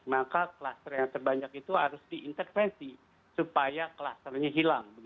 maka kluster yang terbanyak itu harus diintervensi supaya klusternya hilang